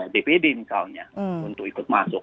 dpd misalnya untuk ikut masuk